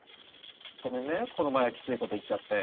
ごめんねこの前はきついこと言っちゃって。